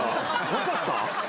分かった？